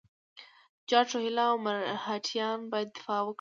جاټ، روهیله او مرهټیان باید دفاع وکړي.